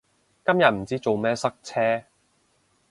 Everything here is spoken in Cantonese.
今日唔知做咩塞車